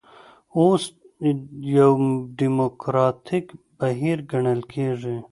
اوس یو ډیموکراتیک بهیر ګڼل کېږي.